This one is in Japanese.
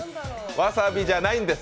わさびじゃないんです。